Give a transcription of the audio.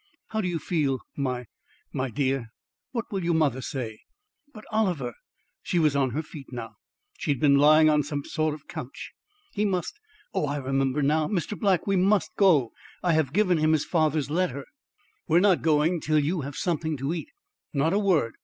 How do you feel, my my dear? What will your mother say?" "But Oliver?" She was on her feet now; she had been lying on some sort of couch. "He must Oh, I remember now. Mr. Black, we must go. I have given him his father's letter." "We are not going till you have something to eat. Not a word.